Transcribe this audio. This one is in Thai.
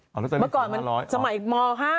เมื่อก่อนมันสมัยม๕